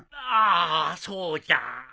ああそうじゃ。